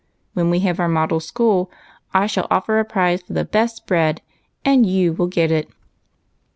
When we have our model school I shall offer a prize for the best bread, and you will get it."